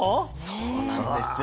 そうなんですよ。